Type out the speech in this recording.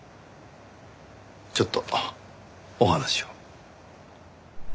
ちょっとお話を。